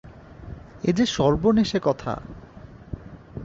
এ যে সর্বনেশে কথা!